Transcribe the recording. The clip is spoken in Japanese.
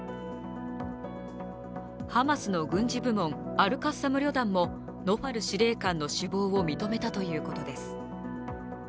ハマスの軍事部門、アル・カッサム旅団もノファル司令官の死亡を認めたということです